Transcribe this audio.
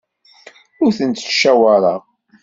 Ur tent-ttcawaṛeɣ.